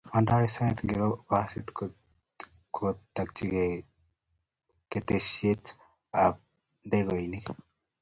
Mandoi sait ngiro basit kotakchinikei keteshiet ab ndekoik?